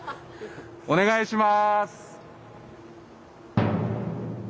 お願いします。